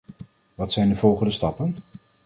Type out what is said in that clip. Wat zijn de volgende stappen?